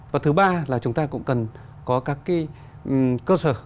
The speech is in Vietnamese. và thứ ba là chúng ta cũng cần có các cái cơ sở